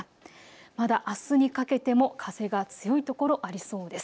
まだ、あすにかけても風が強いところありそうです。